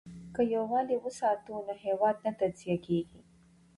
که یووالي وساتو نو هیواد نه تجزیه کیږي.